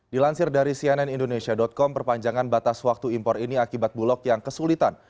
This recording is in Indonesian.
dilansir dari cnn indonesia com perpanjangan batas waktu impor ini akibat bulog yang kesulitan